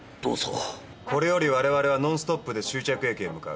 これより我々はノンストップで終着駅へ向かう。